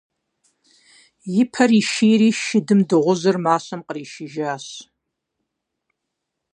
И пэр ишийри, шыдым дыгъужьыр мащэм къришыжащ.